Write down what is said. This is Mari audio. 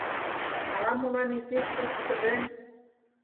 Ала-молан изи сур чывем